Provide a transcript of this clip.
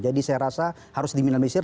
jadi saya rasa harus diminimalisir